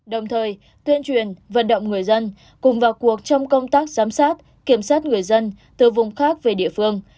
đồng thời tuyên truyền vận động người dân cùng vào cuộc trong công tác giám sát kiểm soát người dân từ vùng khác về địa phương